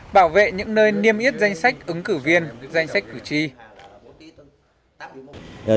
bảo vệ những nơi niêm yết danh sách ứng cử viên danh sách cử tri